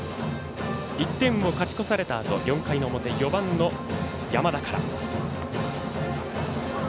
１点を勝ち越されたあと４回の表、４番の山田から。